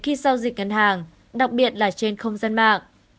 khi giao dịch ngân hàng đặc biệt là trên không gian mạng